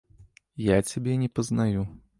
Я цябе не пазнаю.